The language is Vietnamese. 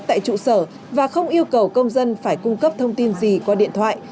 tại trụ sở và không yêu cầu công dân phải cung cấp thông tin gì qua điện thoại